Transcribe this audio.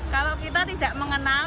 kalau kita tidak mengenal